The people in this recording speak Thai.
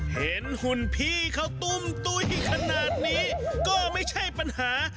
หุ่นพี่เขาตุ้มตุ้ยขนาดนี้ก็ไม่ใช่ปัญหา